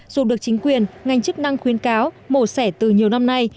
dù được chính quyền ngành chức năng khuyến cáo mổ xẻ từ nhiều năm nay